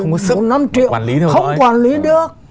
không có sức không có quản lý được